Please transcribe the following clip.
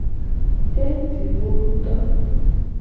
Eti wo ngto.